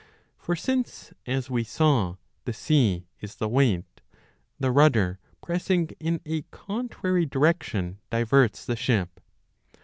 For since, as we saw, the sea is the weight, the rudder pressing in a contrary direction diverts the ship.